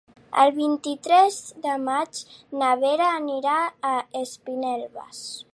El vint-i-tres de maig na Vera anirà a Espinelves.